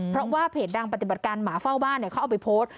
เพราะว่าเพจดังปฏิบัติการหมาเฝ้าบ้านเขาเอาไปโพสต์